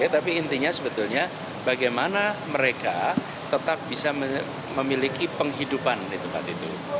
tapi intinya sebetulnya bagaimana mereka tetap bisa memiliki penghidupan di tempat itu